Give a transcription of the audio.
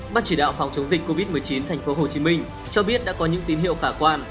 bác chỉ đạo phòng chống dịch covid một mươi chín tp hcm cho biết đã có những tín hiệu khả quan